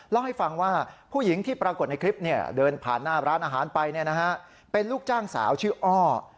เล่าให้ฟังว่าผู้หญิงที่ปรากฏในคลิปเดินผ่านหน้าร้านอาหารไปเป็นลูกจ้างสาวชื่ออ้อ